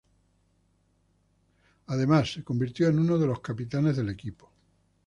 Además se convirtió en uno de los capitanes del equipo.